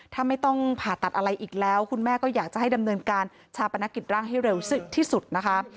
ถ้าไม่ต้องผ่าตัดอะไรอีกแล้วคุณแม่ก็อยากจะให้ดำเนินการชาปนกิจร่างให้เร็วที่สุดนะคะ